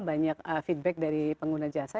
banyak feedback dari pengguna jasa